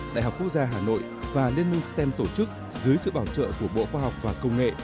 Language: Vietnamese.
đại học quốc gia hà nội và liên minh stem tổ chức dưới sự bảo trợ của bộ khoa học và công nghệ